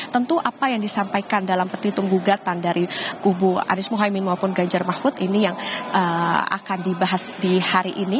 tentu apa yang disampaikan dalam petitung gugatan dari kubu anies mohaimin maupun ganjar mahfud ini yang akan dibahas di hari ini